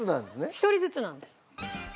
１人ずつなんです。